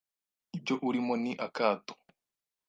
ibyo urimo ni akato